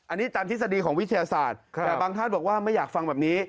อันนี้ตามทฤษฎีของวิทยาศาสตร์แต่บางท่านบอกว่าไม่อยากฟังแบบนี้